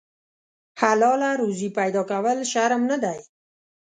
حلاله روزي پیدا کول شرم نه دی.